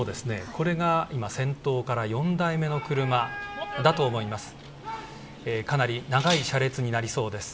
これが先頭から４代目の車だと思います。